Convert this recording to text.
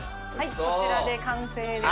こちらで完成です。